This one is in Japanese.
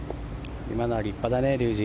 今のは立派だね竜二。